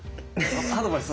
アドバイス？